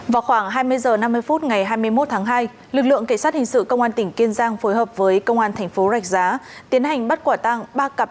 vào khoảng hai mươi h năm mươi phút ngày hai mươi một tháng hai lực lượng cảnh sát hình sự công an tỉnh kiên giang phối hợp với công an thành phố rạch giá tiến hành bắt quả tăng ba cặp